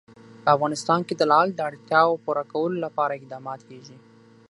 په افغانستان کې د لعل د اړتیاوو پوره کولو لپاره اقدامات کېږي.